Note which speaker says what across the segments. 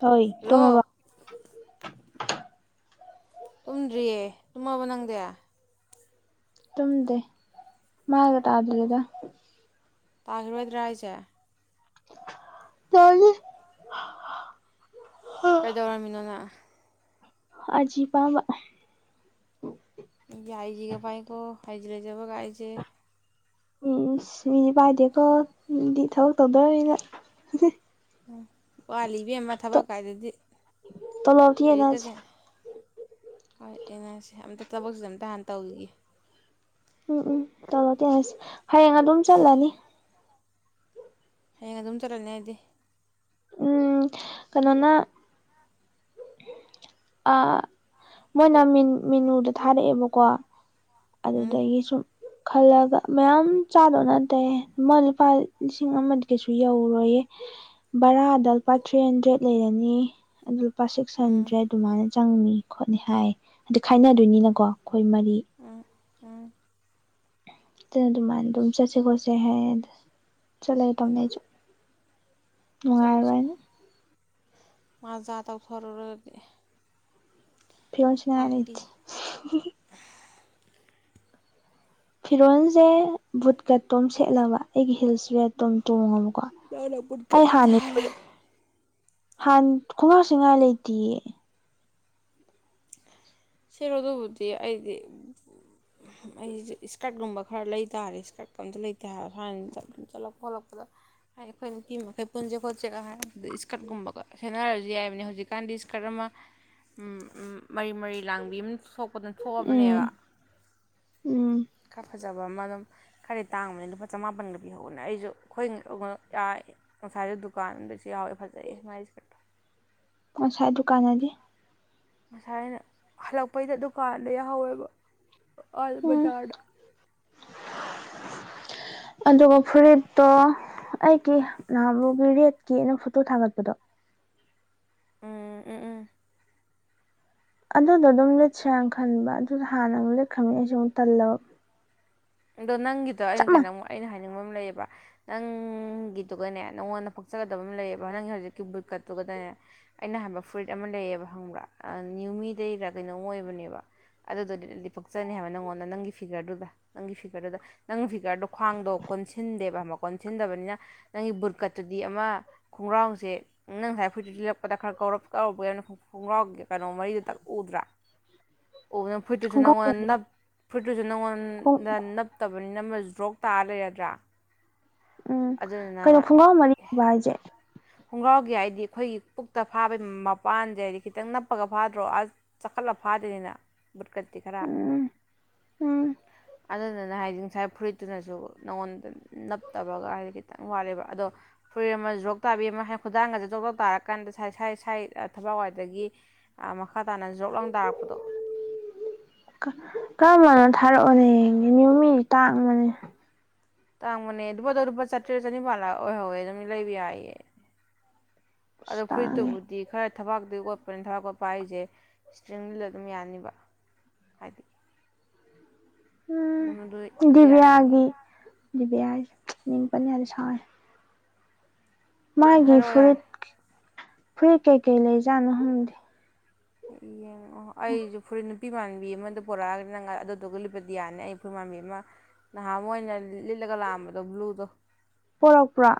Speaker 1: [inaudible] ꯍꯣꯏ ꯇꯨꯝꯃꯕꯣ
Speaker 2: ꯍꯜꯂꯣ ꯇꯨꯝꯗ꯭ꯔꯤꯌꯦ ꯇꯨꯝꯃꯕ ꯅꯪꯗꯤ
Speaker 1: ꯇꯨꯝꯗꯦ ꯃꯥꯥꯏꯒ ꯇꯥꯗꯔꯤꯗ
Speaker 2: ꯇꯥꯒꯤꯔꯣꯏꯗ꯭ꯔꯥ ꯍꯥꯏꯖꯦ
Speaker 1: ꯇꯥꯜꯂꯤ
Speaker 2: ꯀꯩꯗꯧꯔꯝꯃꯤꯅꯣ ꯅꯪ ꯑ
Speaker 1: ꯑꯖꯤ ꯄꯥꯝꯕ
Speaker 2: ꯐꯥꯏꯖꯤ ꯂꯩꯖꯕ ꯒꯥꯏꯖꯦ
Speaker 1: ꯎꯝ ꯁꯁ ꯃꯤꯗꯤ ꯄꯥꯏꯗꯦꯀꯣ ꯃꯤꯗꯤ ꯊꯕꯛ ꯇꯧꯗꯧꯔꯕꯅꯤꯅ ꯍꯨꯝ ꯍꯦ
Speaker 2: ꯎꯝ ꯋꯥꯠꯂꯤ ꯏꯕꯦꯝꯃ ꯊꯕꯛ ꯀꯥꯏꯗꯨꯗꯤ
Speaker 1: ꯇꯣꯂꯣꯞꯇꯤ ꯌꯦꯟꯅꯁꯤ
Speaker 2: ꯂꯥꯏꯔꯤꯛꯀꯖꯦ ꯍꯣꯏ ꯌꯦꯟꯅꯁꯦ ꯑꯝꯇ ꯊꯕꯛꯁꯤ ꯑꯝꯇ ꯍꯥꯟꯅ ꯇꯧꯒꯤꯒꯦ
Speaker 1: ꯎꯝ- ꯎꯝ [unintelligible] ꯍꯌꯦꯡ ꯑꯗꯨꯝ ꯆꯠꯂꯅꯤ꯫
Speaker 2: ꯍꯌꯦꯡ ꯑꯗꯨꯝ ꯆꯠꯂꯅꯤ ꯍꯥꯏꯗꯤ
Speaker 1: ꯎꯝ ꯀꯩꯅꯣꯅ ꯑ ꯃꯣꯏꯅ ꯃꯤꯅꯨꯗ ꯊꯥꯔꯛꯑꯦꯕꯀꯣ
Speaker 2: ꯎꯝ
Speaker 1: ꯑꯗꯨꯗꯒꯤ ꯁꯨꯝ ꯈꯜꯂꯒ ꯃꯌꯥꯝ ꯆꯥꯗꯣ ꯅꯠ ꯇꯦ ꯑꯃ ꯂꯨꯄꯥ ꯂꯤꯁꯤꯡ ꯑꯃꯗꯤ ꯀꯩꯁꯨ ꯌꯧꯔꯣꯏꯌꯦ꯫ ꯕꯔꯥꯗ ꯂꯨꯄꯥ ꯊ꯭ꯔꯤ ꯍꯟꯗ꯭ꯔꯦꯗ ꯂꯩꯔꯅꯤ ꯑꯗꯨ ꯂꯨꯄꯥ ꯁꯤꯛꯁ
Speaker 2: ꯎꯝ
Speaker 1: ꯍꯟꯗ꯭ꯔꯦ ꯑꯗꯨꯃꯥꯏꯅ ꯆꯪꯅꯤ ꯈꯣꯠꯅꯤ ꯍꯥꯏ ꯑꯗꯨ ꯈꯥꯏꯅꯗꯣꯏꯅꯤꯅꯀꯣ ꯃꯔꯤ
Speaker 2: ꯎꯝ ꯎꯝ꯫
Speaker 1: ꯑꯗꯨ ꯑꯗꯨꯃꯥꯏꯅ ꯑꯗꯨꯝ ꯆꯠꯁꯦ ꯈꯣꯠꯁꯦ ꯍꯥꯏꯗ ꯆꯠꯂꯒꯦ ꯇꯧꯅꯦ ꯑꯩꯁꯨ
Speaker 2: ꯆꯠꯂꯣ ꯆꯠꯂꯣ
Speaker 1: ꯅꯨꯡꯉꯥꯏꯕꯅꯤ
Speaker 2: ꯃꯥꯖꯥ ꯇꯧꯊꯔꯨꯔꯒꯦ꯫
Speaker 1: [unintelligible] ꯐꯤꯔꯣꯜꯁꯦ ꯕꯨꯠꯀꯠꯇꯣꯝ ꯁꯦꯠꯂꯕ ꯑꯩꯒꯤ ꯍꯤꯜꯁ ꯔꯦꯇꯣꯝ ꯇꯣꯡꯉꯕ
Speaker 2: ꯅꯪꯅ ꯕꯨꯠꯀꯠ ꯇꯥ ꯍꯥꯏ ꯂꯩ꯫
Speaker 1: [unintelligible]
Speaker 2: ꯁꯦꯔꯣ ꯑꯗꯨꯕꯨꯗꯤ ꯑꯩꯗꯤ ꯑꯩꯁ ꯏꯁꯀꯔꯠꯀꯨꯝꯕ ꯈꯔ ꯂꯩ ꯇꯥꯔꯦ ꯏꯁꯀꯔꯠꯀ ꯑꯝꯇ ꯂꯩꯇꯔ ꯁꯨꯃ ꯑꯗꯨ ꯆꯠꯂꯛꯄ ꯈꯣꯠꯂꯛꯄꯗ ꯍꯥꯏꯗꯤ ꯑꯩꯈꯣꯏ ꯅꯨꯄꯤ ꯃꯈꯩ ꯄꯨꯟꯁꯦ ꯈꯣꯠꯆꯦꯒ ꯍꯥꯏꯗꯨꯗ ꯏꯁꯀꯔꯠꯀꯨꯝꯕꯒ ꯁꯦꯟꯅꯔꯁꯨ ꯌꯥꯏꯕꯅꯦ ꯍꯧꯖꯤꯛꯀꯥꯟꯗꯤ ꯏꯁꯀꯔꯠ ꯑꯃ ꯃꯔꯤ- ꯃꯔꯤ ꯂꯥꯡꯕꯤ ꯑꯃ ꯇꯊꯣꯛꯄꯗꯨ
Speaker 1: ꯎꯝ
Speaker 2: ꯊꯣꯛꯣꯛꯑꯕꯅꯦꯕ
Speaker 1: ꯎꯝ
Speaker 2: ꯈꯥ ꯐꯖꯕ ꯕ ꯑꯃ ꯑꯗꯨꯝ ꯈꯔꯗꯤ ꯇꯥꯡꯕꯅꯤ ꯂꯨꯄꯥ ꯆꯃꯥꯄꯟꯒ ꯄꯤꯍꯧꯕꯅꯦ ꯑꯩꯁꯨ ꯑꯩꯈꯣꯏ ꯌꯥ ꯉꯁꯥꯏꯁꯨ ꯗꯨꯀꯥꯟꯗꯁꯨ ꯌꯥꯎꯋꯦ ꯐꯖꯩ ꯃꯥꯏ ꯑꯦꯁꯥꯀꯔꯠꯇꯣ꯫
Speaker 1: ꯉꯁꯥꯏ ꯗꯨꯀꯥꯟ ꯑꯥꯗꯤ
Speaker 2: ꯉꯁꯥꯏ ꯑꯩꯅ ꯍꯜꯂꯛꯄꯩꯗ ꯗꯨꯀꯥꯟꯗ ꯌꯥꯍꯧꯋꯦꯕ꯫ ꯑꯗ
Speaker 1: ꯎꯝ
Speaker 2: ꯕꯖꯥꯔꯗꯥ꯫
Speaker 1: ꯑꯗꯨꯒ ꯐꯨꯔꯤꯠꯇꯣ ꯑꯩꯒꯤ ꯅꯍꯥꯃꯨꯛ ꯔꯦꯠꯀꯤ ꯑꯩꯅ ꯐꯣꯇꯣ ꯊꯥꯒꯠꯄꯗꯣ
Speaker 2: ꯎꯝ ꯎꯝ ꯎꯝ꯫
Speaker 1: ꯑꯗꯨꯗꯣ ꯑꯗꯨꯝ ꯂꯤꯠꯁꯤꯔꯥꯅ ꯈꯟꯕ ꯑꯗꯨꯗ ꯍꯥꯟꯅ ꯑꯃꯨꯛ ꯂꯤꯠ ꯈꯃꯤ ꯑꯩꯁꯦ ꯑꯃꯨꯛ ꯇꯜꯂꯕ꯫
Speaker 2: ꯑꯗꯣ ꯅꯪꯒꯤ ꯗꯣ
Speaker 1: ꯆꯞ
Speaker 2: ꯑꯩꯅ ꯀꯩꯅꯣꯝ
Speaker 1: ꯃꯥꯟꯅꯩ
Speaker 2: ꯑꯩꯅ ꯍꯥꯏ ꯍꯥꯏꯅꯤꯡꯕ ꯑꯃ ꯂꯩꯌꯦꯕ ꯅꯪꯒꯤꯗꯨꯒꯅꯦ ꯅꯪꯉꯣꯟꯗ ꯄꯛꯆꯒꯗꯕ ꯑꯃ ꯂꯩꯌꯦꯕ ꯅꯪꯒꯤ ꯍꯧꯖꯤꯛꯀꯤ ꯕꯨꯠꯀꯠꯇꯨꯒꯗꯅꯦ ꯑꯩꯅ ꯍꯥꯏꯕ ꯐꯨꯔꯤꯠ ꯑꯃ ꯂꯩꯌꯦꯕ ꯍꯪꯕ꯭ꯔꯥ ꯅ꯭ꯌꯨꯃꯤꯗꯩꯔ ꯀꯩꯅꯣꯝ ꯑꯣꯏꯕꯅꯦꯕ ꯑꯗꯨꯗꯨꯗꯤꯗꯤ ꯄꯛꯆꯅꯤ ꯍꯥꯏꯕ ꯅꯪꯉꯣꯟꯗ ꯅꯪꯒꯤ ꯐꯤꯒꯔꯗꯨꯒ ꯫ ꯅꯪꯒꯤ ꯐꯤꯒꯔꯗꯨꯗ ꯅꯪꯒꯤ ꯐꯤꯒꯔꯗꯣ ꯈ꯭ꯋꯥꯡꯗꯣ ꯀꯣꯟꯁꯤꯟꯗꯦꯕ ꯑꯃ ꯀꯣꯟꯁꯤꯟꯗꯕꯅꯤꯅ ꯅꯪꯒꯤ ꯕꯨꯠꯀꯠꯇꯨꯗꯤ ꯑꯃ ꯈꯣꯡꯒ꯭ꯔꯥꯎꯁꯦ ꯅꯪ ꯉꯁꯥꯏ ꯐꯨꯔꯤꯠꯇꯨ ꯂꯤꯠꯂꯛꯄꯗ ꯈꯔ ꯀꯧꯔꯄ ꯈꯣꯡꯒ꯭ꯔꯥꯎꯒꯤ ꯀꯩꯅꯣ ꯃꯔꯤꯗꯨ ꯇꯛ ꯎꯗ꯭ꯔꯥ꯫ ꯑꯣꯕꯅ ꯐꯨꯔꯤꯠꯇꯨꯁꯨ
Speaker 1: ꯈꯣꯡꯒ꯭ꯔꯥꯎ
Speaker 2: ꯅꯉꯣꯟ
Speaker 1: ꯃꯔꯤ
Speaker 2: ꯅꯞ ꯐꯨꯔꯤꯠꯇꯨ ꯁꯨ ꯅꯉꯣꯟ
Speaker 1: ꯈꯣꯡ
Speaker 2: ꯅ ꯅꯞꯇꯕꯅꯤꯅ ꯃꯁꯨ ꯗ꯭ꯔꯣꯛ ꯇꯥꯔ ꯂꯩꯔꯗ꯭ꯔꯥ
Speaker 1: ꯎꯝ
Speaker 2: ꯑꯗꯨꯗꯨꯅ
Speaker 1: ꯀꯩꯅꯣ
Speaker 2: ꯃꯥ
Speaker 1: ꯈꯨꯡꯒ꯭ꯔꯥꯎ ꯃꯔꯤꯕ ꯍꯥꯏꯁꯦ
Speaker 2: ꯈꯣꯡꯒ꯭ꯔꯥꯎꯒꯤ ꯍꯥꯏꯗꯤ ꯑꯩꯈꯣꯏꯒꯤ ꯄꯨꯛꯇ ꯐꯥꯕꯒꯤ ꯃꯄꯥꯟꯁꯦ ꯍꯥꯏꯗꯤ ꯈꯤꯇꯪ ꯅꯞꯄꯒ ꯐꯥꯗ꯭ꯔꯣ ꯑ ꯆꯈꯠꯂ ꯐꯥꯗꯦꯅꯤꯅ [unintelligible] ꯈꯔ
Speaker 1: ꯎꯝ ꯎꯝ
Speaker 2: ꯑꯗꯨꯗꯨꯅ ꯍꯥꯏꯗꯤ ꯉꯁꯥꯏ ꯐꯨꯔꯤꯠꯇꯨꯅꯁꯨ ꯅꯪꯉꯣꯟꯗ ꯅꯞꯇꯕꯒ ꯍꯥꯏꯗꯤ ꯈꯤꯇꯪ ꯋꯥꯠꯂꯦꯕ ꯑꯗꯣ ꯐꯨꯔꯤꯠ ꯑꯃ ꯣꯛ ꯇꯥꯕꯤ ꯈꯨꯗꯥꯡꯒꯁꯦ ꯖꯣꯛ ꯖꯣꯛ ꯇꯥꯔꯀꯥꯟꯗ ꯏꯁꯥꯏ ꯁꯥꯏ ꯊꯕꯛꯋꯥꯏꯗꯒꯤ ꯃꯈ ꯃꯈꯥ ꯇꯥꯅ ꯖꯣꯞ ꯂꯥꯡ ꯇꯥꯔꯛꯄꯗꯣ
Speaker 1: ꯀꯔꯝꯕꯅꯣ ꯊꯥꯔꯛꯑꯣꯅꯦ ꯌꯦꯡꯒꯦ ꯃꯤ ꯇꯥꯡꯕꯅꯦ
Speaker 2: ꯇꯥꯡꯕꯅꯦ ꯑꯗꯨ ꯆꯇ꯭ꯔꯦꯠ ꯆꯅꯤꯄꯥꯟꯂꯥ ꯑꯣꯏꯍꯧꯋꯦ ꯑꯗꯨ ꯂꯩꯕꯤ ꯌꯥꯌꯦ
Speaker 1: ꯑꯁ
Speaker 2: ꯑꯗꯣ
Speaker 1: ꯇꯥꯡꯉꯦ
Speaker 2: ꯐꯨꯔꯤꯠꯇꯕꯨꯗꯤ ꯈꯔ ꯊꯕꯥꯛꯇꯨ ꯀꯣꯠꯄꯅꯤ ꯊꯕꯥꯛ ꯀꯣꯠꯄ ꯍꯥꯏꯁꯦ ꯏꯁꯇ꯭ꯔꯤꯡ ꯂꯤꯠꯂ ꯑꯗꯨꯝ ꯌꯥꯅꯤꯕ ꯍꯥꯏꯗꯤ
Speaker 1: ꯎꯝ
Speaker 2: ꯑꯗꯨꯃ ꯑꯗꯨꯣꯏ ꯑꯗꯨ ꯌꯥꯅꯤꯕ
Speaker 1: ꯄꯤꯌꯥꯖ ꯃꯤꯡ ꯄꯟ ꯌꯥꯗꯦ ꯁꯥꯎ ꯃꯥꯏꯒꯤ
Speaker 2: ꯍꯥꯏꯔꯛꯑꯣ ꯌꯥꯔꯦ
Speaker 1: ꯐꯨꯔꯤꯠ ꯐꯨꯔꯤꯠ ꯀꯩ ꯀꯩ ꯂꯩꯖꯠꯅꯣ ꯈꯪꯗꯤ
Speaker 2: ꯌꯦꯡꯉꯛꯑꯣ ꯑꯩꯁꯨ ꯐꯨꯔꯤꯠ ꯅꯨꯄꯤ ꯃꯥꯟꯕꯤ ꯑꯃꯗ ꯄꯨꯔꯛꯑꯒꯅꯤ ꯅꯪ ꯑꯗꯨꯗꯨꯒ ꯂꯤꯠꯄꯗꯤ ꯌꯥꯅꯤ ꯑꯩ ꯐꯨꯔꯤ ꯃꯥꯟꯕꯤ ꯑꯃ ꯅꯍꯥꯟꯃꯨꯛ ꯑꯃ ꯑꯩꯅ ꯂꯤꯠꯂꯒ ꯂꯥꯛꯑꯝꯕꯗꯣ ꯕ꯭ꯂꯨꯗꯣ
Speaker 1: ꯄꯣꯔꯛꯄ꯭ꯔ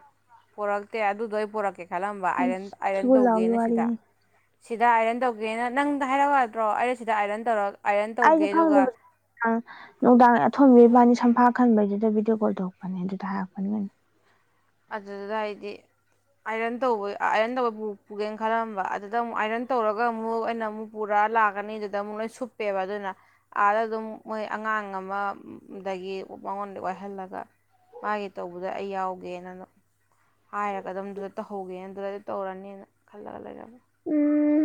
Speaker 2: ꯄꯣꯔꯛꯇꯦ ꯑꯗꯨꯗꯣ ꯑꯩ ꯄꯣꯔꯛꯀꯦ ꯊꯠꯂꯝꯕ ꯑꯥꯏꯔꯟ
Speaker 1: ꯏꯁ
Speaker 2: ꯑꯥꯏꯔꯟ
Speaker 1: ꯊꯤꯒꯨ ꯂꯥꯎꯕꯩ
Speaker 2: ꯇꯧꯒꯦꯅ ꯁꯤꯗ
Speaker 1: ꯋꯥꯔꯤꯅꯤ
Speaker 2: ꯁꯤꯗ ꯑꯥꯏꯔꯟ ꯇꯧꯒꯦꯅ ꯅꯪꯗ ꯍꯥꯏꯔꯛꯎ ꯌꯥꯗ꯭ꯔꯣ ꯑꯩꯅ ꯁꯤꯗ ꯑꯥꯏꯔꯟ ꯇꯧꯔꯒ
Speaker 1: ꯑꯩꯁꯨ ꯈꯪꯗꯕ ꯅꯨꯡꯗꯥ ꯅꯨꯡꯗꯥꯡ ꯑꯊꯣꯝꯕꯤꯕꯥꯅꯤ ꯁꯝꯐꯥ ꯈꯟꯕꯩꯗꯨꯗ ꯚꯤꯗꯤꯑꯣ ꯀꯣꯜ ꯇꯧꯔꯛꯄꯅꯦ ꯑꯗꯨꯗ ꯍꯥꯏꯔꯛꯄꯅꯦ ꯑꯣꯏꯅ
Speaker 2: ꯑꯗꯨꯗꯨꯗ ꯍꯥꯏꯗꯤ ꯑꯥꯏꯔꯟ ꯇꯧꯕ ꯑꯥꯏꯔꯟ ꯇꯧꯕ ꯄꯨ ꯄꯨꯒꯦꯅ ꯈꯜꯂꯝꯕ ꯑꯗꯨꯗ ꯑꯃꯨꯛ ꯑꯥꯏꯔꯟ ꯇꯧꯔꯒ ꯑꯃꯨꯛ ꯑꯩꯅ ꯑꯃꯨꯛ ꯄꯨꯔꯛꯑ ꯂꯥꯛꯀꯅꯤ ꯑꯗꯨꯗ ꯑꯃꯨꯛ ꯂꯣꯏ ꯁꯨꯞꯄꯦꯕ ꯑꯗꯨꯅ ꯑꯥꯗ ꯑꯗꯨꯝ ꯃꯣꯏ ꯑꯉꯥꯡ ꯑꯃꯗꯒꯤ ꯃꯉꯣꯟꯗ ꯋꯥꯏꯍꯜꯂꯒ ꯃꯥꯒꯤ ꯇꯧꯕꯗ ꯑꯩ ꯌꯥꯎꯒꯦ ꯑꯗꯨꯅ ꯍꯥꯏꯔꯒ ꯑꯗꯨꯝ ꯑꯗꯨꯗ ꯇꯧꯍꯧꯒꯦꯅ ꯑꯗꯨꯗꯗꯤ ꯇꯧꯔꯅꯤꯅ ꯈꯜꯂꯒ ꯂꯩꯔꯝꯃꯦ
Speaker 1: ꯎꯝ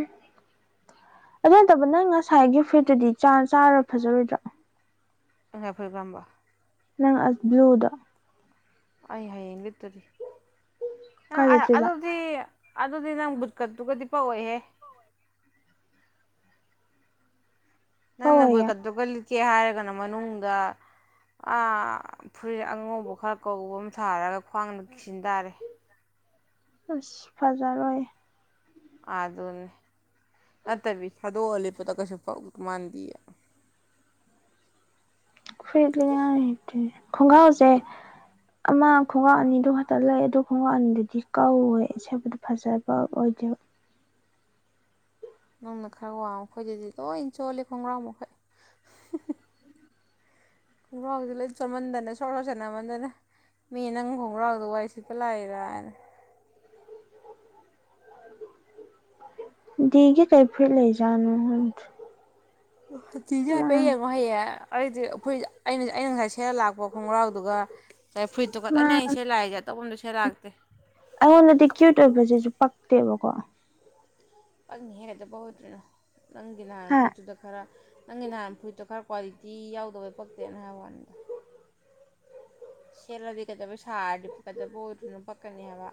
Speaker 1: ꯑꯗꯨ ꯅꯠꯇꯕ ꯅꯪ ꯉꯁꯥꯏꯒꯤ ꯐꯨꯔꯤꯠꯇꯨꯗꯤ ꯆꯥꯔ ꯐꯖꯔꯣꯏꯗ꯭ꯔꯥ
Speaker 2: ꯑꯩ ꯉꯥꯁꯥꯏ ꯐꯨꯔꯤꯠ ꯀꯔꯝꯕ
Speaker 1: ꯅꯪ ꯑꯁ ꯕ꯭ꯂꯨꯗꯣ
Speaker 2: ꯑꯩ ꯍꯌꯦꯡ ꯂꯤꯇꯗꯤ
Speaker 1: ꯀꯥꯏ
Speaker 2: ꯑ
Speaker 1: ꯆꯠꯇꯣꯏꯕ
Speaker 2: ꯑꯗꯨꯗꯤ ꯑꯗꯨꯗꯤ ꯅꯪ ꯕꯨꯠꯀꯠꯇꯨꯒꯗꯤ ꯄꯛꯑꯣꯏꯍꯦ ꯅꯪꯅ
Speaker 1: ꯄꯋꯥꯏꯌꯦ
Speaker 2: ꯕꯨꯠꯀꯠꯇꯨꯒ ꯂꯤꯠ ꯀꯦ ꯍꯥꯏꯔꯒꯅ ꯃꯅꯨꯡꯗ ꯑꯥ ꯐꯨꯔꯤꯠ ꯑꯉꯧꯕ ꯈꯔ ꯀꯧꯕ ꯑꯃ ꯁꯥꯔꯒ ꯈ꯭ꯋꯥꯡꯗ ꯀꯤꯁꯤꯟ ꯇꯥꯔꯦ
Speaker 1: ꯑꯁ ꯐꯖꯔꯣꯏ
Speaker 2: ꯑꯗꯨꯅꯤ ꯅꯠꯇꯕꯤ ꯊꯥꯗꯣꯛꯑꯥ ꯂꯤꯠꯄꯗ ꯀꯁꯨ ꯐꯥꯎ ꯃꯥꯟꯗꯤ
Speaker 1: ꯐꯨꯔꯤꯠ ꯂꯤꯅꯤꯉꯥꯏ ꯂꯩꯇꯦ ꯈꯣꯡꯒ꯭ꯔꯥꯎꯁꯦ
Speaker 2: ꯀꯨꯠ
Speaker 1: ꯑꯃ ꯈꯣꯡꯒꯥꯎ ꯑꯅꯤꯗꯨ ꯈꯛꯇ ꯂꯩ ꯑꯗꯨ ꯈꯣꯡꯒ꯭ꯔꯥꯎ ꯑꯅꯤꯗꯨꯗꯤ ꯀꯧꯋꯦ ꯁꯦꯠꯄꯗ ꯐꯖꯕ ꯑꯣꯏꯗꯦꯕ
Speaker 2: ꯅꯪꯅ ꯈꯔ ꯋꯥ ꯑꯈꯣꯏꯗꯗꯤ ꯂꯣꯏ ꯆꯣꯜꯂꯦ ꯈꯣꯡꯒ꯭ꯔꯥꯎ ꯃꯈꯩ ꯈꯣꯡꯒ꯭ꯔꯥꯎꯁ ꯂꯣꯏ ꯆꯣꯟꯃꯟꯗꯅ ꯁꯣꯔ ꯂꯥꯎꯁꯠꯅꯃꯟꯗꯅ ꯃꯤ ꯅꯪ ꯈꯣꯡꯒ꯭ꯔꯥꯎꯗ ꯋꯥꯔꯤ ꯁꯤꯠꯄ ꯂꯥꯛꯏꯔ ꯍꯥꯏꯅ
Speaker 1: ꯗꯒ ꯇ ꯐꯦ ꯂꯩꯖꯨ
Speaker 2: ꯇꯖ ꯍꯥꯏꯐꯩ ꯌꯥ ꯉꯍꯌꯥ ꯑꯩꯗꯤ ꯑꯩꯈꯣꯏ ꯑꯩꯅ ꯑꯩꯅ ꯉꯥꯏꯁꯤꯦ ꯁꯦꯠ ꯂꯥꯛꯄ ꯈꯣꯡꯒ꯭ꯔꯥꯎꯗꯨꯒ ꯀ ꯐꯨꯏꯠꯇꯣ
Speaker 1: ꯃꯥ
Speaker 2: ꯈꯛꯇꯅꯦ ꯑꯩꯅ ꯁꯦꯠꯂꯥꯛꯏꯁꯦ ꯑꯇꯣꯞꯄꯝꯗ ꯁꯦꯠꯂꯥꯛꯇꯦ
Speaker 1: ꯇꯕ ꯀ
Speaker 2: ꯑꯅꯤ ꯍꯦ ꯑꯗꯨꯕꯣꯗꯅ ꯅꯪꯒꯤ ꯅꯍꯥꯟ
Speaker 1: ꯍꯥ
Speaker 2: ꯐꯨꯏꯠꯇꯨꯗ ꯈꯔ ꯅꯪꯒꯤ ꯅꯍꯥꯟ ꯐꯨꯏꯠꯇꯣ ꯈꯔ ꯀ꯭ꯋꯥ ꯇꯤ ꯌꯥꯎꯗꯕꯩ ꯄꯛꯇꯦꯅ ꯍꯥꯏ ꯋꯥꯅꯤꯗ ꯁꯦꯂꯗꯤ ꯀꯩꯗꯕ ꯁꯥꯔꯗꯤꯛꯀꯗꯕ ꯑꯣꯏꯔꯨꯅ ꯄꯛꯀꯅꯤ ꯍꯥꯏꯕ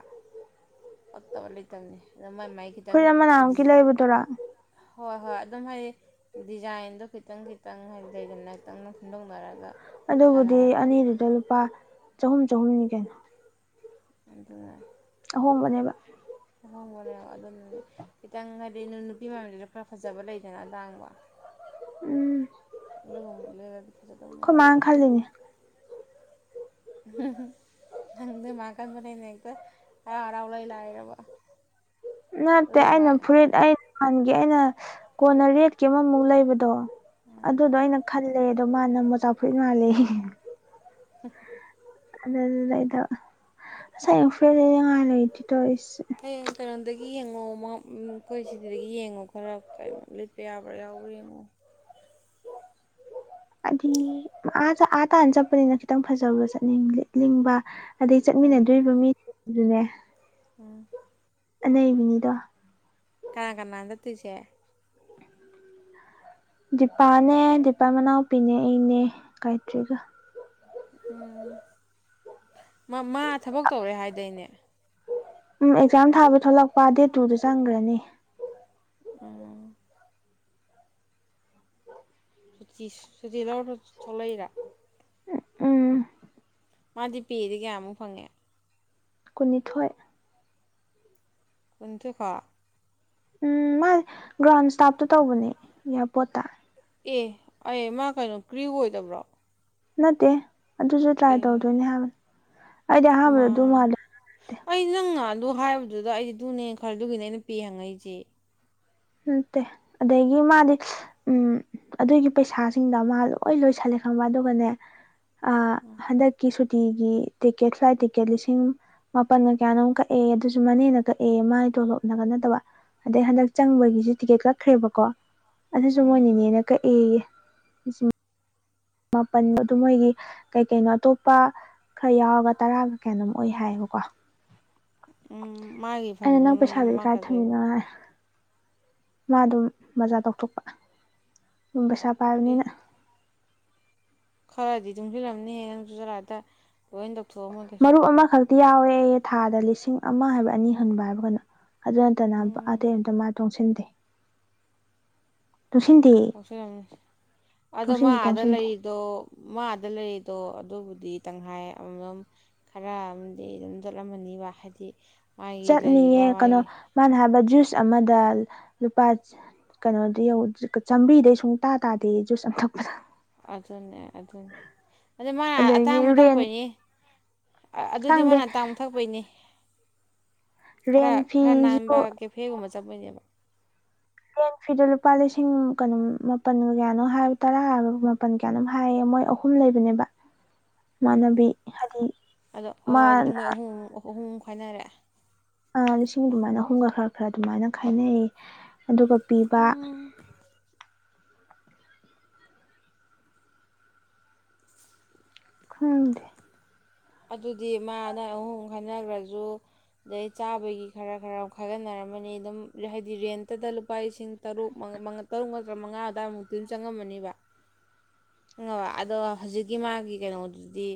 Speaker 2: ꯐꯠꯇꯕ ꯂꯩꯇꯕꯅꯤ ꯑꯗ ꯃꯥꯏ ꯃꯥꯏ ꯈꯤꯇꯪ
Speaker 1: ꯐꯨꯔꯤꯠ ꯑꯃ ꯅꯍꯥꯟꯃꯨꯛꯀꯤ ꯂꯩꯕꯗꯨꯔꯥ
Speaker 2: ꯍꯣꯏ ꯍꯣꯏ ꯑꯗꯨꯝ ꯍꯥꯏꯗꯤ ꯗꯤꯖꯥꯏꯟꯗꯣ ꯈꯤꯇꯪ ꯈꯤꯇꯪ ꯍꯥꯏꯗꯤ ꯂꯩꯒꯅ ꯈꯤꯇꯪꯅ ꯈꯟꯗꯣꯛꯅꯔꯒ
Speaker 1: ꯑꯗꯨꯕꯨꯗꯤ
Speaker 2: ꯁꯥꯟꯅꯔꯀꯥꯟꯗ
Speaker 1: ꯑꯅꯤꯗꯨꯗ ꯂꯨꯄꯥ ꯆꯍꯨꯝ ꯆꯍꯨꯝꯅꯤ ꯀꯩꯅꯣ
Speaker 2: ꯑꯗ [unintelligible]
Speaker 1: ꯑꯍꯣꯡꯕꯅꯦꯕ
Speaker 2: ꯑꯗꯨꯅꯅꯦ ꯈꯤꯇꯪ ꯍꯥꯏꯗꯤ ꯅꯨꯄꯤ ꯃꯌꯥꯝꯗꯨꯁꯨ ꯈꯔ ꯐꯖꯕ ꯂꯩꯗꯅ ꯑꯇꯥꯡꯕ
Speaker 1: ꯎꯝ
Speaker 2: ꯑꯗꯨꯒꯨꯝꯕ ꯂꯩꯔꯗꯤ
Speaker 1: ꯑꯩꯣꯏ
Speaker 2: ꯐꯖꯗꯧꯅꯦꯕ
Speaker 1: ꯃꯥꯡ ꯈꯖꯅꯦ
Speaker 2: ꯅꯪꯗ ꯃꯥ ꯀꯥꯟꯕꯅꯦꯅꯦꯇ ꯑꯔꯥꯎ ꯂꯩꯣꯏ ꯂꯥꯛꯔꯕꯔꯕ
Speaker 1: ꯅꯠꯇꯦ ꯑꯩꯅ ꯐꯨꯔꯤꯠ ꯑꯩ ꯍꯥꯟꯒꯦ ꯑꯩꯅ ꯀꯣꯟꯅ ꯔꯦꯠꯀꯤ ꯑꯃꯃꯨꯛ ꯂꯩꯕꯗꯣ
Speaker 2: ꯎꯝ
Speaker 1: ꯑꯗꯨꯗꯣ ꯑꯩꯅ ꯈꯜꯂꯦ ꯑꯗꯣ ꯃꯥꯅ ꯃ ꯆ ꯆꯥꯎꯐꯨꯠ ꯃꯥꯜꯂꯦ
Speaker 2: ꯎꯝ
Speaker 1: ꯑꯗꯗꯗꯥꯏꯗꯕ ꯁꯥꯏ ꯐ ꯉꯥꯏꯂꯇ ꯇꯣ
Speaker 2: ꯍꯌꯦꯡꯪꯀꯔꯗꯗꯒꯤ ꯌꯦꯡꯉꯣ ꯑꯩꯈꯣꯏ ꯁꯤꯗꯒꯤ ꯌꯦꯡꯉꯣ ꯈꯔ ꯀꯩꯅꯣ ꯂꯤꯠꯄ ꯌꯥꯕ꯭ꯔꯥ ꯌꯥꯎꯕ꯭ꯔꯥ ꯌꯦꯡꯉꯣ
Speaker 1: ꯍꯥꯏꯗꯤ ꯑꯥ ꯑꯥ ꯇꯥꯅ ꯆꯠꯄꯅꯤꯅ ꯈꯤꯇꯪ ꯐꯖꯕ ꯆꯠꯅꯤꯡꯕ ꯑꯗꯩ
Speaker 2: ꯍꯣꯏ ꯍꯣꯏ
Speaker 1: ꯆꯠꯃꯤꯟꯅꯗꯣꯔꯤꯕ ꯃꯤꯁꯦ ꯑꯗꯨꯅꯦ
Speaker 2: ꯎꯝ
Speaker 1: ꯑꯩꯕꯤꯅꯤꯗ
Speaker 2: ꯀꯅꯥ ꯀꯅꯥ ꯆꯠꯇꯣꯏꯁꯦ
Speaker 1: ꯗꯤꯄꯥꯅꯦ ꯗꯤꯄꯥ ꯃꯅꯥꯎꯄꯤꯅꯦ ꯑꯩꯅꯦ ꯀꯥꯏꯇ꯭ꯔꯤꯒ
Speaker 2: ꯎꯝ ꯃꯥ ꯊꯕꯛ ꯇꯧꯔꯦ ꯍꯥꯏꯗꯣꯏꯅꯦ
Speaker 1: ꯎꯝ ꯑꯦꯛꯖꯥꯝ ꯊꯥꯕ ꯊꯂꯛꯄ ꯗꯦꯠ ꯇꯨꯗ ꯆꯪꯈ꯭ꯔꯅꯤ
Speaker 2: ꯎꯝ ꯁꯨꯇꯤ ꯁꯨꯇꯤ ꯂꯧꯔ ꯊꯣꯛꯂꯛꯏꯔ
Speaker 1: ꯎꯝ
Speaker 2: ꯃꯥꯗꯤ ꯄꯤꯗꯤ ꯀꯌꯥꯃꯨꯛ ꯐꯪꯉꯦ
Speaker 1: ꯀꯨꯟꯅꯤꯊꯣꯏ
Speaker 2: ꯀꯨꯟꯊꯨꯀꯥ
Speaker 1: ꯎꯝ ꯃꯥ ꯒ꯭ꯔꯥꯎꯟ ꯁꯇꯥꯞꯇꯣ ꯇꯧꯕꯅꯦ ꯏꯌꯥꯔꯄꯣꯠꯇ꯫
Speaker 2: ꯑꯦ ꯑꯩ ꯃꯥ ꯀꯩꯅꯣ ꯀꯔ꯭ꯤꯎ ꯑꯣꯏꯗꯕ꯭ꯔꯣ
Speaker 1: ꯅꯠꯇꯦ꯫ ꯑꯗꯨꯁꯨ ꯇ꯭ꯔꯥꯏ
Speaker 2: ꯑꯦ
Speaker 1: ꯇꯧꯗꯣꯏꯅꯦ ꯍꯥꯏꯕꯅꯤ꯫ ꯑꯩꯗꯤ ꯑꯍꯥꯟꯕꯗ
Speaker 2: ꯃꯥ
Speaker 1: ꯑꯗꯨꯝ ꯃꯥꯜꯂꯦ꯫
Speaker 2: ꯑꯩ ꯅꯪꯅ ꯉꯍꯥꯟꯗꯨ ꯍꯥꯏꯕꯗꯨꯗ ꯑꯩꯗꯨꯅꯦ ꯈꯜꯂ ꯗꯨꯅꯦ ꯑꯩꯅ ꯄꯦ ꯍꯪꯉꯛꯏꯁꯦ꯫
Speaker 1: ꯅꯠꯇꯦ ꯑꯗꯒꯤ ꯃꯥꯗꯤ ꯎꯝ ꯑꯗꯨꯒꯤ ꯄꯩꯁꯥꯁꯤꯡꯗ ꯃꯥ ꯂꯣꯏ ꯂꯣꯏꯁꯜꯂꯦ ꯈꯪꯕꯔ ꯑꯗꯨꯒꯅꯦ ꯑ ꯍꯟꯗꯛꯀꯤ ꯁꯨꯠ ꯇꯤꯒꯤ ꯇꯤꯛꯀꯦꯠ ꯐ꯭ꯂꯥꯏꯠ ꯇꯤꯛꯀꯦꯠ ꯂꯤꯁꯤꯡ ꯃꯥꯄꯜꯒ ꯀꯌꯥꯅꯣꯛ ꯀꯛꯑꯦ ꯑꯗꯨꯁꯨ ꯃꯅꯦꯅ ꯀꯛꯑꯦ ꯃꯥꯒꯤ ꯇꯣꯂꯣꯞꯅꯒ ꯅꯠꯇꯕ ꯑꯗꯩ ꯍꯟꯗꯛ ꯆꯪꯕꯒꯤꯁꯨ ꯇꯤꯛꯀꯦꯠ ꯀꯛꯈ꯭ꯔꯦꯕꯀꯣ꯫ ꯑꯗꯨꯁꯨ ꯃꯣꯏ
Speaker 2: ꯎꯝ
Speaker 1: ꯅꯤꯅꯦꯅ ꯀꯩ ꯑꯩꯌꯦꯌꯦ [unintelligible] ꯃꯥꯄꯟ ꯑꯗꯨ ꯃꯣꯏꯒꯤ ꯀꯩꯀꯩꯅꯣ ꯑꯇꯣꯞꯄ ꯈꯔ ꯌꯥꯎꯔꯒ ꯇꯔꯥꯒ ꯀꯩꯅꯣꯝ ꯑꯣꯏ ꯍꯥꯏꯌꯦꯕꯀꯣ꯫
Speaker 2: ꯎꯝ ꯃꯥꯒꯤ
Speaker 1: ꯑꯩꯅ ꯅꯪ
Speaker 2: ꯐꯪꯕꯗꯨꯅ
Speaker 1: ꯄꯩꯁꯥꯗꯨ
Speaker 2: ꯃꯥ
Speaker 1: ꯀꯥꯏ
Speaker 2: ꯀꯩꯗꯧꯏꯕ꯫
Speaker 1: ꯊꯝꯃꯤꯅꯣ ꯍꯥꯏ ꯃꯥ ꯑꯗꯨ ꯃꯖꯥ ꯇꯧꯊꯣꯛꯄ꯫ ꯎꯝ ꯄꯩꯁꯥ
Speaker 2: ꯑꯦ
Speaker 1: ꯄꯥꯏꯕꯅꯤꯅ꯫
Speaker 2: ꯈꯔꯗꯤ ꯇꯨꯡꯁꯤꯜꯂꯝꯅꯤꯍꯦ ꯅꯪꯁꯨ ꯆꯠꯂꯥ ꯑꯥꯗ꯫ ꯂꯣꯏꯅ ꯗꯧꯊꯣꯛꯑꯃꯣꯏ ꯀꯩꯁꯨ
Speaker 1: ꯃꯔꯨꯞ ꯑꯃꯈꯛꯇꯤ ꯌꯥꯎꯋꯦ ꯊꯥꯗ ꯂꯤꯁꯤꯡ ꯑꯃ ꯍꯥꯏꯕ꯭ꯔꯥ ꯑꯅꯤ ꯍꯟꯕ ꯍꯥꯏꯕ꯭ꯔꯥ ꯀꯩꯅꯣ ꯑꯗꯨꯅꯠꯇꯅ
Speaker 2: ꯎꯝ
Speaker 1: ꯑꯇꯩ ꯑꯃꯇ ꯃꯠ ꯇꯨꯡꯁꯤꯟꯗꯦ꯫ ꯇꯨꯡꯁꯤꯟꯗꯦ
Speaker 2: ꯇꯧꯁꯜꯂꯝ ꯑꯗꯣ ꯃꯥ
Speaker 1: ꯇꯣꯡꯁꯤꯟꯗꯦ
Speaker 2: ꯑꯗ
Speaker 1: ꯇꯣꯡꯁꯤꯟꯗꯦ
Speaker 2: ꯂꯩꯔꯤꯗꯣ ꯃꯥ ꯑꯗ ꯂꯩꯔꯤ ꯗꯣ ꯑꯗꯨꯕꯨꯗꯤ ꯇꯪꯈꯥꯏ ꯑꯃꯃꯝ ꯈꯔ ꯑꯃꯗꯤ ꯑꯗꯨꯝ ꯆꯠꯂꯝꯃꯅꯤꯕ ꯍꯥꯏꯗꯤ ꯃꯥꯒꯤ
Speaker 1: ꯆꯠꯅꯤꯡꯌꯦ
Speaker 2: ꯂꯩꯔꯤꯕ
Speaker 1: ꯀꯟꯅꯣ
Speaker 2: ꯃꯥꯒꯤ
Speaker 1: ꯃꯥꯅ ꯍꯥꯏꯕ ꯖꯨꯏꯁ ꯖꯨꯁ ꯑꯃꯗ ꯂꯨꯄꯥ ꯀꯩꯅꯣꯗ ꯌ ꯆꯥꯝꯃꯔꯤꯗꯩ ꯁꯨꯡꯇꯥꯥ ꯇꯥꯗꯦ ꯖꯨꯁ ꯑꯝꯊꯛ
Speaker 2: ꯑꯗꯨꯅꯦ ꯑꯗꯨꯅꯤ ꯑꯗꯨ ꯃꯥ
Speaker 1: ꯑꯗꯒꯤ
Speaker 2: ꯑꯇꯥꯡꯕ
Speaker 1: ꯔꯦꯟ
Speaker 2: ꯊꯛꯄꯩꯅꯤ ꯑꯗꯨꯗꯤ
Speaker 1: ꯈꯪꯗꯦ
Speaker 2: ꯃꯥꯅ ꯑꯇꯥꯡꯕ ꯊꯛꯄꯩꯅꯤ ꯈꯔ
Speaker 1: ꯔꯦꯟ
Speaker 2: ꯈꯔ
Speaker 1: ꯐꯤꯁꯨ
Speaker 2: ꯅꯥꯟꯕ ꯀꯦꯐꯦꯒꯨꯝꯕ ꯆꯞ ꯃꯩꯅꯦꯕ꯫
Speaker 1: ꯐꫭꯟ ꯐꯤꯗꯨ ꯂꯨꯄꯥ ꯂꯤꯁꯤꯡ ꯀꯩꯅꯣ ꯃꯥꯄꯟꯒ ꯀꯌꯥꯅꫭ ꯍꯥꯏꯕ ꯑꯃꯒ ꯃꯥꯄꯜ ꯀꯌꯥꯅꯣꯝ ꯍꯥꯏꯌꯦ ꯃꯣꯏ ꯑꯍꯨꯝ ꯂꯩꯕꯅꯦꯕ꯫
Speaker 2: ꯎꯝ
Speaker 1: ꯏꯃꯥꯟꯅꯕꯤ ꯍꯥꯏꯗꯤ
Speaker 2: ꯑꯗꯣ ꯑꯣ ꯑꯗꯨꯗꯤ
Speaker 1: ꯃꯥꯅ
Speaker 2: ꯃꯣꯏ ꯎꯍꯨꯝ ꯎꯍꯨꯝ ꯈꯥꯏꯅꯔꯛꯑꯦ꯫
Speaker 1: ꯑ ꯂꯤꯁꯤꯡ ꯑꯗꯨꯃꯥꯏꯅ ꯑꯍꯨꯝꯒ ꯈꯔ ꯈꯔ ꯑꯗꯨꯃꯥꯏꯅ ꯈꯥꯏꯅꯩꯌꯦ꯫ ꯑꯗꯨꯒ ꯄꯤꯕꯥ
Speaker 2: ꯎꯝ
Speaker 1: ꯈꯪꯗꯦ꯫
Speaker 2: ꯑꯗꯨꯗꯤ ꯃꯥꯅ ꯑꯍꯨꯝ ꯈꯟꯅꯈ꯭ꯔꯁꯨ ꯑꯗꯩ ꯆꯥꯕꯒꯤ ꯈꯔ ꯈꯔ ꯈꯥꯏꯒꯠꯅꯔꯝꯃꯅꯤ ꯑꯗꯨꯝ ꯍꯥꯏꯗꯤ ꯔꯦꯟꯇꯨꯗ ꯂꯨꯄꯥ ꯂꯤꯁꯤꯡ ꯇꯔꯨꯛ ꯇꯔꯨꯛ ꯅꯠꯇꯔꯥ ꯝꯉꯥ ꯑꯗꯋꯥꯏꯃꯨꯛꯇꯤ ꯑꯗꯨꯝ ꯆꯪꯉꯝꯃꯅꯦꯕ ꯈꯪꯉꯕ ꯑꯗꯣ ꯍꯧꯖꯤꯛꯀꯤ ꯃꯥꯒꯤ ꯀꯩꯅꯣꯗꯨꯗꯤ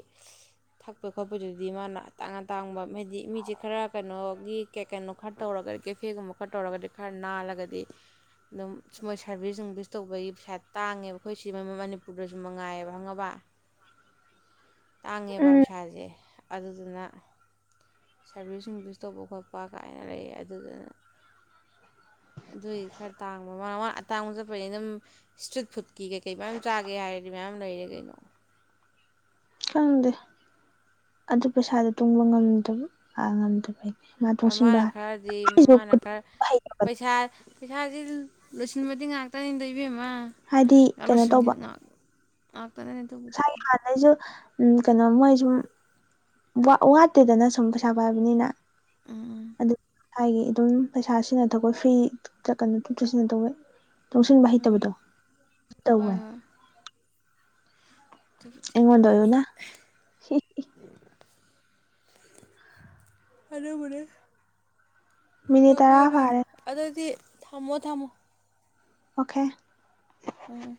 Speaker 2: ꯊꯛꯄ ꯈꯣꯠꯄꯗꯨꯗꯤ ꯃꯥꯅ ꯇꯥꯡꯉꯇꯥꯡꯕ ꯍꯥꯏꯗꯤ ꯃꯤꯁꯦ ꯈꯔ ꯀꯩꯅꯣꯒꯤ ꯀꯦ ꯀꯩꯅꯣ ꯈꯔ ꯇꯧꯔꯒꯗꯤ ꯀꯦꯐꯦꯒꯨꯝꯕ ꯈꯔ ꯇꯧꯔꯒꯗꯤ ꯈꯔ ꯅꯥꯜꯂꯒꯗꯤ ꯑꯗꯨꯝ ꯃꯣꯏ ꯁꯥꯔꯚꯤꯁ ꯅꯨꯡꯚꯤꯁ ꯇꯧꯕꯒꯤ ꯄꯩꯁꯥ ꯇꯥꯡꯉꯦꯕ ꯑꯩꯈꯣꯏ ꯁꯤ ꯃꯅꯤꯄꯨꯔꯗꯁꯨ ꯃꯉꯥꯏꯌꯦꯕ ꯈꯪꯉꯥꯕ ꯇꯥꯡꯉꯦꯕ
Speaker 1: ꯎꯝ
Speaker 2: ꯑꯗꯨꯗꯨꯅ ꯁꯥꯔꯚꯤꯁ ꯅꯨꯡꯚꯤꯁ ꯇꯧꯕ ꯈꯣꯠꯄ ꯀꯥꯏꯅ ꯂꯩ ꯑꯗꯨꯗꯨꯅ ꯑꯗꯨꯏꯗꯤ ꯈꯔ ꯇꯥꯡꯕ ꯃꯃꯥꯡ ꯃꯥꯡ ꯑꯇꯥꯡꯕ ꯆꯠꯄꯅꯤ ꯑꯗꯨꯝ ꯏꯁꯇ꯭ꯔꯤꯠ ꯐꯨꯗꯀꯤ ꯀꯩꯀꯩ ꯃꯌꯥꯝ ꯆꯥꯒꯦ ꯍꯥꯏꯔꯗꯤ ꯃꯌꯥꯝ ꯂꯩꯔꯦ ꯀꯩꯅꯣ
Speaker 1: ꯈꯪꯗꯦ ꯑꯗꯨ ꯄꯩꯁꯥꯗꯣ ꯇꯨꯡꯕ ꯉꯝꯗꯕ ꯉꯝꯗꯕꯩ
Speaker 2: ꯍꯣꯏ ꯃꯥꯅ ꯈꯔꯗꯤ ꯃꯥꯅ ꯈꯔ
Speaker 1: ꯍꯩꯇꯕꯅꯦ
Speaker 2: ꯄꯩꯁꯥ ꯄꯩꯁꯥꯥꯁꯦ ꯂꯣꯏꯁꯤꯟꯕꯗꯤ ꯉꯥꯛꯇꯅꯤꯗ ꯏꯕꯦꯝꯃ
Speaker 1: ꯍꯥꯏꯗꯤ
Speaker 2: ꯄꯩꯁꯥ ꯂꯣꯏꯁꯤꯟꯒꯤꯕ ꯉꯥꯛ ꯑꯥ
Speaker 1: [unintelligible] ꯎ ꯀꯩꯅꯣ ꯃꯣꯏ ꯁꯨꯝ ꯋꯥꯠꯇꯦꯗꯅ ꯁꯨꯝ ꯄꯩꯁꯥ ꯄꯥꯏꯕꯅꯤꯅ
Speaker 2: ꯎꯝ
Speaker 1: ꯑꯗꯨ ꯊꯥꯒꯤ ꯑꯗꯨꯝ ꯄꯩꯁꯥ ꯁꯤꯖꯤꯟꯅꯗꯧꯕ ꯐ꯭ꯔꯤ ꯀꯩꯅꯣ ꯁꯤꯖꯤꯟꯅ ꯇꯧꯕ ꯂꯩ ꯇꯨꯡꯁꯤꯟꯕ
Speaker 2: ꯎꯝ ꯎꯝ
Speaker 1: ꯍꯩꯇꯕꯗꯣ
Speaker 2: ꯍꯣꯏ
Speaker 1: ꯇꯧꯋꯦ
Speaker 2: ꯍꯣꯏ ꯑꯗꯨꯕꯨꯗꯤ
Speaker 1: ꯑꯩꯉꯣꯟꯗꯥ ꯑꯣꯏꯌꯣꯅ
Speaker 2: ꯑꯗꯨꯕꯨꯗꯤ ꯄꯩꯁꯨ
Speaker 1: ꯃꯤꯅꯤꯠ ꯇꯔꯥ
Speaker 2: ꯄꯥꯏꯕꯩꯅꯤ
Speaker 1: ꯐꯥꯔꯦ
Speaker 2: ꯑꯗꯨꯗꯤ ꯊꯝꯃꯣ ꯊꯝꯃꯣ
Speaker 1: ꯑꯣꯀꯦ
Speaker 2: ꯎꯝ ꯎꯝ